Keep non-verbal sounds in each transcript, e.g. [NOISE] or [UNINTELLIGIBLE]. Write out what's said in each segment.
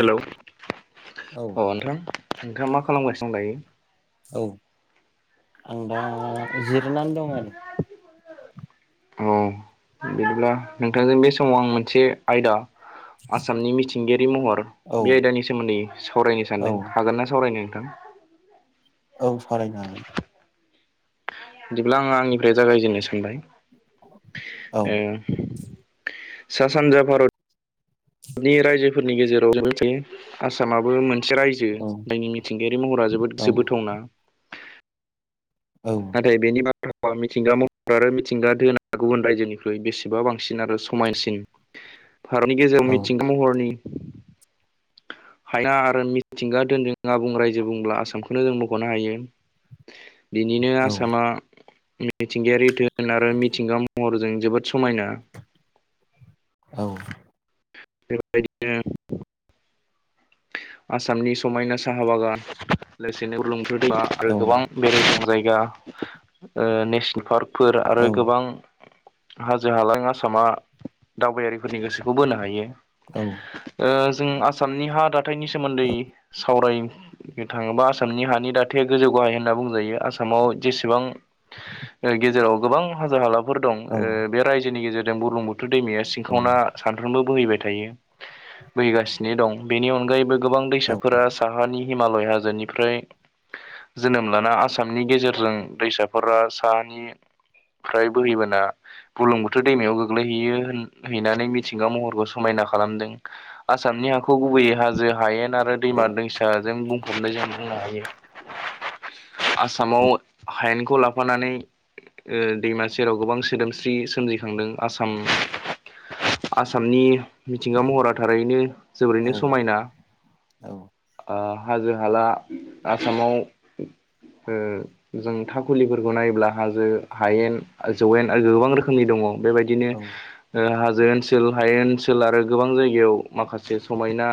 Hello औ अ नोंथां नोंथाङा मा खालामगासिनों दायो औ आं दा जिरनानै दं आरो औ बिदिब्ला नोंथांजों बे समाव आं मोनसे आयदा आसामनि मिथिंगायारि महर औ बे आयदानि सोमोन्दै सावरायनो औ सानदों हागोन नना सावरायनो नोंथां औ सावरायनो हागोन बिदिब्ला आङो आंनिफ्राय जागायजेननो सानबाय हागोन ओ सा सानजा भारत नि रायजोफोरनि गेजेराव जों मोनसे [UNINTELLIGIBLE] आसामाबो मोन से रायजो औ जायनि मिथिंगायारि महरा जोबोद गोसो बोथावना औ नाथाय बेनि बागै [UNINTELLIGIBLE] आबहावा मिथिंगा महर आरो मिथिंगा धोना गुबुन रायजोनिख्रुइ बेसेबा बांसिन आरो समायनासिन [INAUDIBLE] भारतनि गेजेराव औ मिथिंगा महरनि हायना आरो मिथिंगा दोनदों आबुं रायजो बुंब्ला आसामखौनो जों मख'नो हायो बिनिनो औ आसामा मिथिंगायारि दोन आरो मिथिंगा महरजों जोबोद समायना औ बेबायदिनो आसामनि समायना साहा बागान लोगोसेनो बुरलुं [UNINTELLIGIBLE] आरो गोबां बेरायथाव जायगा ओ नेसनेल पार्क [UNINTELLIGIBLE] फोर आरो औ गोबां हाजो हाला आसामा दावबायारिफोरनि गोसोखौ बोनो हायो औ ओ जों आसामनि हा दाथायनि सोमोन्दै सावराय थाङोबा आसामनि हानि दाथाया गोजौ गाहाय होनना बुंजायो आसामाव जेसेबां गेजेराव गोबां हाजो हाला फोर दं औ ओ बे रायजोनि गेजेरजों बुरलुंबुथुर दैमाया सिंखावना सानफ्रोमबो बोहैबाय थायो बोहैगासिनो दं बेनि अनगायैबो गोबां दैसाफोरा साहानि हिमालय हाजोनिफ्राय जोनोम लाना आसामनि गेजेरजों दैसाफोरा साहानि फ्राय बोहैबोना बुरलुंबुथुर दैमायाव गोग्लैहैयो होन हैनानै मिथिंगा महरखौ समायना खालामदों आसामनि हाखौ गुबैयै हाजो हायेन आरो दैमा दैसाजों बुंफबनाय जों बुंनो हायो आसामाव हायेनखौ लाफानानै ओ दैमा सेराव गोबां सोदोमस्रि सोमजिखांदों आसाम आसामनि मिथिंगा महरा थारैनो जोबोरैनो समायना हाजो हाला आसामाव जों थाखाखुलिफोरखौ नायोब्ला हाजो हायेन जौवेन गोबां रोखोमनि दङ बेबायदि बिदिनो हाजो ओनसोल हायेन ओनसोल ओनसोल आरो गोबां जायगायाव माखासे समायना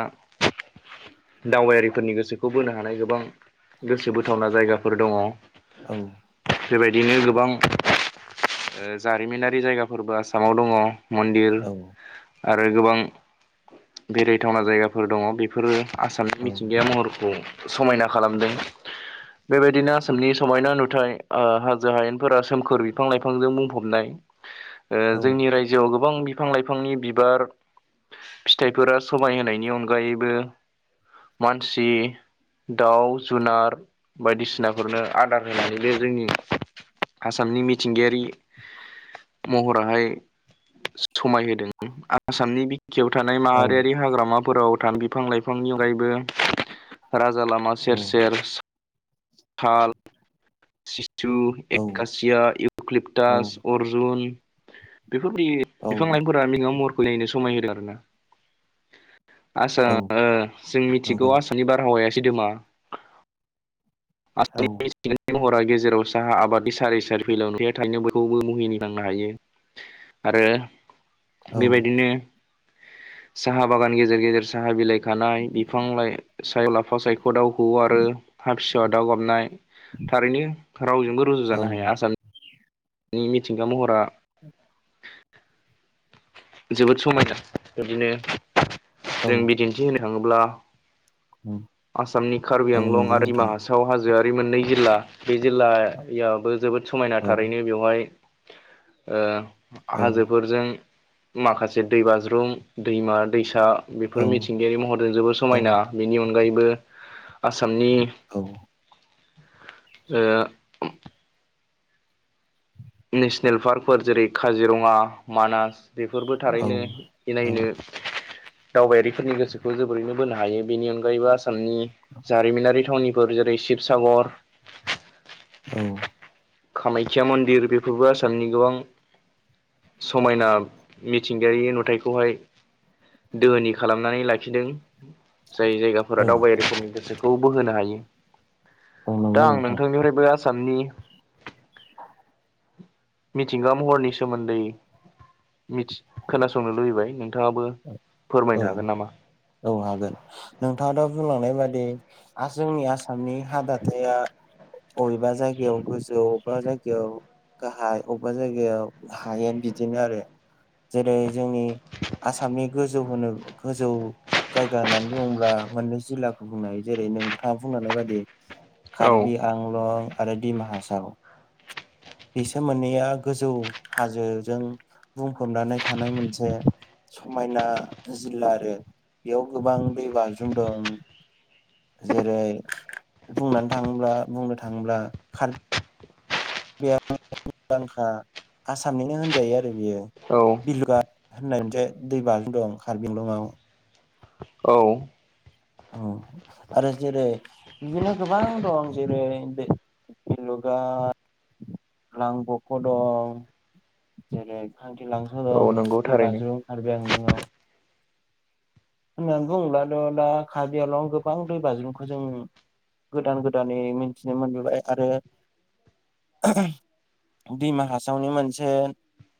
दावबायारिफोरनि गोसोखौ बोनो हानाय गोबां गोसो बोथावना जायगाफोर दङ औ बेबायदिनो गोबां जारिमिनारि जायगाफोरबो आसामाव दङ मन्दिर औ आरो गोबां बेरायथावना जायगाफोर दङ बेफोरो आसामनि मिथिंगाया महरखौ समायना खालामदों बेबायदिनो आसामनि समायना नुथाय हाजो हायेनफोरा सोमखोर बिफां लाइफांजों बुंफबनाय [INAUDIBLE] जोंनि रायजोआव गोबां बिफां लाइफांनि बिबार फिथाइफोरा समाय होनायनि अनगायैबो मानसि दाउ जुनार बायदिसिनाफोरनो आदार होनानै बे जोंनि आसामनि मिथिंगायारि महराहाय समायहोदों आसामनि बिखायाव थानाय माहारियारि औ हाग्रामाफोराव थानाय बिफां लाइफांनि अनगायैबो राजा लामा सेर सेर साल सिसु नंगौ एकासिया औ इउकलिप्टास अर्जुन बेफोरबायदि बिफां औ लाइफांफोरा मैगाव महरखौ नायैनो समाय होदों आरोना आसा जों मिथिगौ औ आसामनि बारहावाया सिदोमा आसामनि बे हरा गेजेराव साहा आबादनि सार इ सारि फैलावया थायनो बखौबो मुहिनि थांनो हायो आरो बेबायदिनो साहा बागान गेजेर गेजेर साहा बिलाइ खानाय बिफां लाइ सायाव लाफा सायख' दाउ हवो आरो हा फिसाहौवा दाउ गाबनाय थारैनो रावजोंबो रुजु जानो हाया आसामनि नि मिथिंगा महरा जोबोद समायना बिदिनो औ जों बिदिन्थि होनो थाङोब्ला आसामनि कार्बि औ आंलं नंगौ आरो दिमा नोंथां हासाव सिथाव हाजोआरि मोननै जिल्ला बे जिल्लायावबो जोबोद समायना औ थारैनो बेवहाय औ हाजोफोरजों माखासे दैबाज्रुम दैमा दैसा बेफोर औ मिथिंगायारि महरजों जोबोर समायना बिनि अनगायैबो आसामनि औ नेसनेल पार्कफोर जेरै काजिरङा मानास बेफोरबो औ थारैनो औ इनायनो दावबायारिफोरनि गोसोखौ जोबोरैनो बोनो हायो बेनि अनगायैबो आसामनि जारिमिनारि थावनिफोर जेरै शिबसागर औ कामायख्या मन्दिर बेफोरबो आसामनि गोबां समायना मिथिंगायारि नुथायखौहाय दोहोनि खालामनानै लाखिदों जाय औ जायगाफोरा दावबायारिफोरनि गोसोखौ खौ बोहोनो हायो औ नंगौ दा आं नोंथां नोंथांनिफ्रायबो आसामनि मिथिंगा महरनि सोमोन्दै खोनासंनो लुबैबाय नों नोंथाङाबो औ फोरमायनो हागोन नामा औ हागोन नोंथाङा दा' बुंलांनाय बादि जोंनि आसामनि हा दाथाया बबेबा जायगायाव गोजौ बबेबा जायगायाव गाहाय अबेबा जायगायाव हायो बिदिनो आरो जेरै जोंनि आसामनि गोजौ होनो गोजौ जायगा होननानै बुङोब्ला मोननै जिल्लाखौ बुंनो हायो जेरै नोंथाङा बुंलांनाय बायदि औ कार्बि आंलं आरो दिमा हासाव बिसोर मोननैया गोजौ हाजोजों बुंफबनानै थानाय मोनसे समायना जिल्ला आरो बेयाव गोबां दै बाज्रुम दं जेरै बुंनानै थाङोब्ला बुंनो थाङोब्ला बे मुंदांखा आसामनिनो होनजायो आरो बियो औ बिलुगाट होननाय मोनसे दै बाज्रुम दं कारबिआलंआव औ आरो जेरै बिदिनो गोबां दं जेरै बेलुगाट लांबख' दं जेरै खांखि लांसो औ दं नंगौ बे थारैनो बाज्रुम खारबिआंलंआव होननानै बुङोब्लाथ' दा कारबिआलंआव गोबां दैबाज्रुमखौ जों गोदान गोदानै मिथिनो मोनबोबाय आरो दिमा हासावनि मोनसे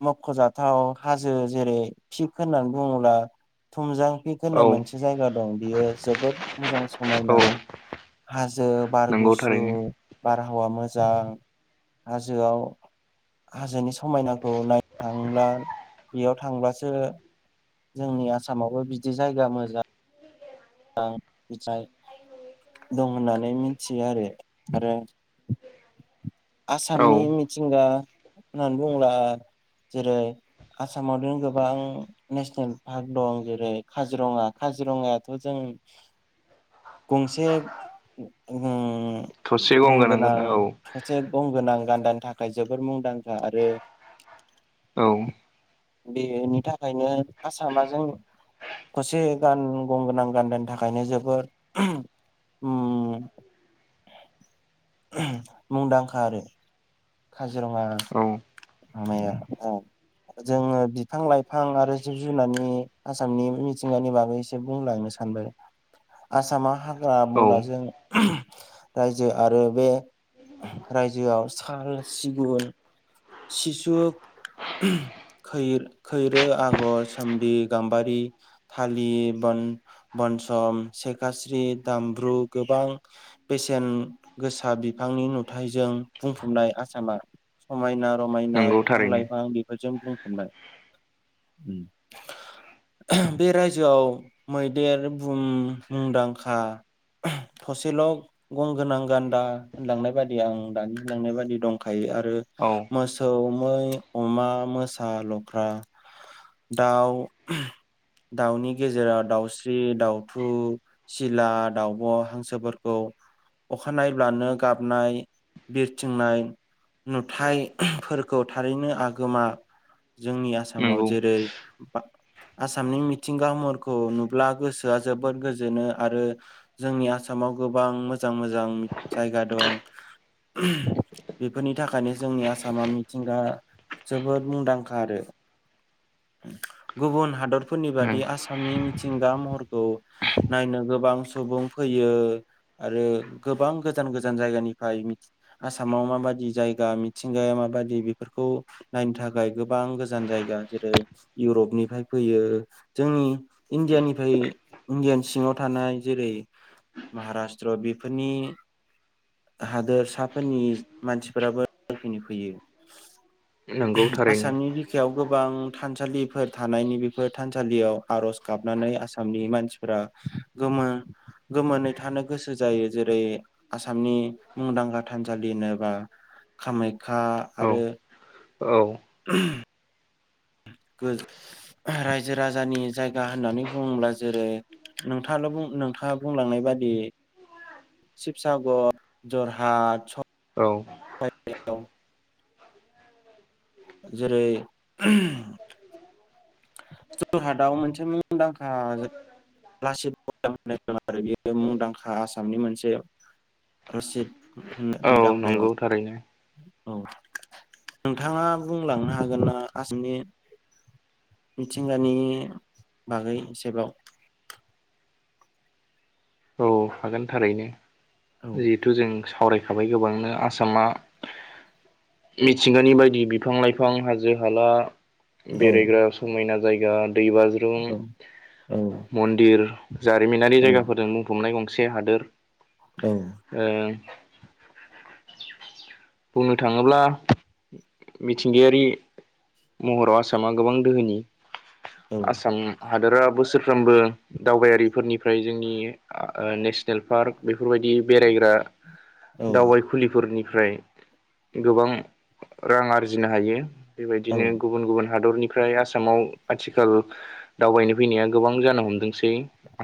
मख'जाथाव हाजो जेरै पिक होननानै बुङोब्ला थुमजां पिक होननाय औ मोनसे जायगा दं बियो जोबोद मोजां औ समायना हाजो बार नंगौ गुसु थारैनो बारहावा मोजां हाजोआव हाजोनि समायनाखौ नायनो थांब्ला बेयाव थांब्लासो जोंनि आसामावबो बिदि जायगा मोजां आं [UNINTELLIGIBLE] दं होननानै मिथियो आरो आरो औ आसामनि मिथिंगा होननानै बुङोब्ला जेरै आसामावनो गोबां नेसनेल पार्क दं जेरै काजिरङा काजिरङाया खौ जों गंसे ओ थसे गं गोनांगोन गंगोनां औ थसे गंगोनां गान्दानि थाखाय जोबोर मुंदांखा आरो औ बेनि थाखायनो आसामा जों [UNINTELLIGIBLE] गान गं गोनां गान्दानि थाखायनो जोबोर मुंदांखा आरो काजिरङा औ माबाया औ जोङो बिफां लाइफां आरो जिब जुनारनि आसामनि मिथिंगानि बागै एसे बुंलांनो सानदो आसामा हाग्रा औ बंग्राजों रायजो आरो बे रायजोआव साल सिगुन सिसु खै खैरो आगर सोमब्लि गाम्बारि थालि बन बनसम सेखास्रि दामब्रु गोबां बेसेन गोसा बिफांनि नुथायजों बुंफबनाय आसामा समायना रमायना नंगौ बिफां थारैनो लाइफां बेफोरजों बुं [UNINTELLIGIBLE] ओम बे रायजोआव मैदेर बुहुम मुंदांखा थसेल' गंगोनां गान्दा होनलांनाय बादि आं दानि होनलांनाय बायदि दंखायो आरो औ मो मोसौ मै अमा मोसा लख्रा दाउ दाउनि गेजेराव दाउस्रि दाउथु सिला दावब' हांसोफोरखौ अखानायब्लानो गाबनाय बिरथिंनाय नुथायफोरखौ थारैनो आगोमा जोंनि आसामाव नंगौ जेरै आसामनि मिथिंगा महरखौ नुब्ला गोसोआ जोबोद गोजोनो आरो जोंनि आसामाव गोबां मोजां मोजां जायगा दं बेफोरनि थाखायनो जोंनि आसामा मिथिंगा जोबोद मुंदांखा आरो गुबुन हादरफोरनि बादि नंगौ आसामनि मिथिंगा महरखौ नायनो गोबां सुबुं फैयो आरो गोबां गोजान गोजान जायगानिफ्राय आसामाव माबादि जायगा मिथिंगाया माबादि बेफोरखौ नायनो थाखाय गोबां गोजान जायगा जेरै इउरपनिफ्राय फैयो जोंनि इण्डियानिफ्राय इण्डियानि सिङाव थानाय जेरै महाराष्ट्र बेफोरनि हादोर [UNINTELLIGIBLE] फोरनि मानसिफोराबोनो फैयो नंगौ थारैनो आसामनि बिखायाव गोबां थानसालिफोर थानायनि बेफोर थानसालियाव आर'ज गाबनानै आसामनि मानसिफो फोरा गोमो गोमोनै थानो गोसो जायो जेरै आसामनि मुंदांखा थानसालिनो बा कामाख्या औ आरो औ [INAUDIBLE] गो रायजो राजानि जायगा होननानै बुङोब्ला जेरै नोंथाङानो बुं नोंथाङा बुंलांनाय बादि शिबसागर जरहाट औ बायदिसिना दं [UNINTELLIGIBLE] जेरै जरहाटाव मोनसे मुंदांखा जाय लासिद बरफुकन [UNINTELLIGIBLE] होननाय दं आरो बेयो मुंदांखा आसामनि मोनसे रसिद औ नंगौ थारैनो [UNINTELLIGIBLE] [UNINTELLIGIBLE] औ नोंथाङा बुंलांनो हागोन ना आसामनि मिथिंगानि बागै एसेबाव औ हागोन थारैनो औ जिहेथु जों सावरायखाबाय गोबांनो आसामा मिथिंगानि बायदि बिफां लाइफां हाजो हाला बेरायग्रा समायना जायगा दै बाज्रु औ औ ज्रपम मन्दिर जारिमिनारि औ जायगाफोरजों बुंफबनाय गंसे हादोर औ ओ बुंनो थाङोब्ला मिथिंगायारि महराव आसामा गोबां दोहोनि औ आसाम हादोरा बोसोरफ्रोमबो दावबायारिफोरनिफ्राय जोंनि नेसनेल पार्क बेफोरबायदि बेरायग्रा औ दावबाय खुलिफोरनिफ्राय गोबां रां आरजिनो हायो औ बेबायदिनो गुबुन गुबुन हादरनिफ्राय आसामाव आथिखाल दावबायनो फैनाया गोबां जानो हमदोंसै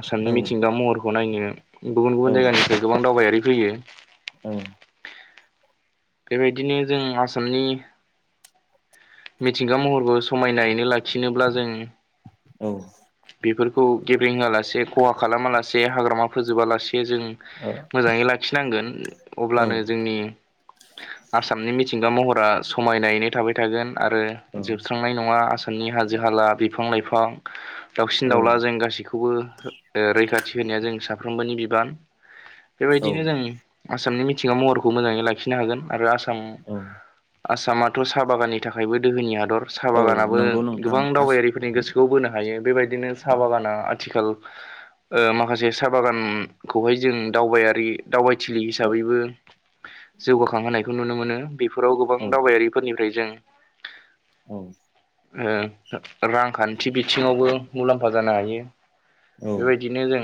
आसामनि औ मिथिंगा महरखौ नायनो गुबुन गुबुन जायगानिफ्राय गोबां दावबायारि फैयो औ बेबायदिनो जों आसामनि मिथिंगा महरखौ समायनायैनो लाखिनोब्ला जों औ बेफोरखौ गेब्रेंआ लासे खहा खालामा लासे हाग्रामा फोजोबालासे जों मोजाङै लाखिनांगोन अब्लानो जोंनि आसामनि मिथिंगा महरा समायनायैनो थाबाय थागोन आरो जोबस्रांनाय नङा आसामनि हाजो हाला बिफां लाइफां दाउसिन औ दाउला जों गासैखौबो ओ रैखाथि होनाया जों साफ्रोमबोनि बिबान। बेबायदिनो जों आसामनि मिथिंगा महरखौ मोजाङै लाखिनो हागोन। आरो आसाम आसामाथ' साहा बागाननि थाखायबो दोहोनि हादर। साहा औ बागानाबो नंगौ नोंथां गोबां आस दावबायारिफोरनि गोसोखौ बोनो हायो। बेबायदिनो साहा बागाना आथिखाल [INAUDIBLE] ओ माखासे साहा बागानखौहाय जों दावबायारि दावबायथिलि औ हिसाबैबो जौगाखांहोनायखौ नुनो मोनो। बेफोराव गोबां औ दावबायारिफोरनिफ्राय जों [UNINTELLIGIBLE] ओ रांखान्थि बिथिङावबो मुलाम्फा जानो हायो। औ बेबाय बिदिनो जों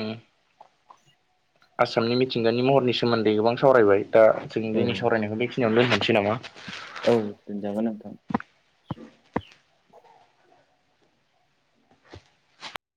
आसामनि मिथिंगानि महरनि सोमोन्दै गोबां सावरायबाय दा दिनै औ जोंनि सावरायनायखौ बेखिनियावनो दोनथनिसै नामा? औ दोनजागोन नोंथां